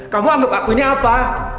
kamu anggap aku ini apa